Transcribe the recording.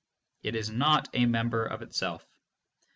it is a member of itself.